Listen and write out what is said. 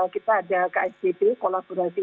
kita ada ke sdp kolaborasi